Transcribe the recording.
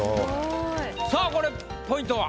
さぁこれポイントは？